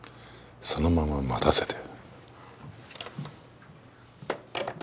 そのまま待たせて。